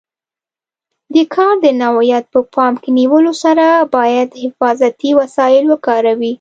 د کار د نوعیت په پام کې نیولو سره باید حفاظتي وسایل وکاروي.